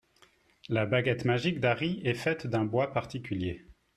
La baguette magique d'Harry est faite d'un bois particulier.